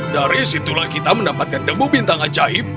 dari situlah kita mendapatkan debu bintang ajaib